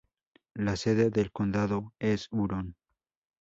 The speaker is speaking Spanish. La sede del condado es Huron.